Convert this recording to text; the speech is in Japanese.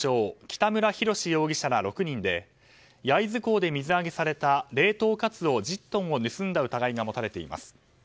北村祐志容疑者ら６人で焼津港で水揚げされた冷凍カツオ１０トンを盗んだ疑いが持たれています。